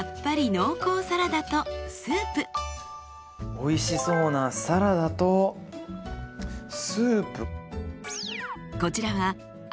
おいしそうなサラダとスープ。